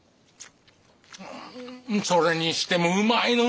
それにしてもうまいのう。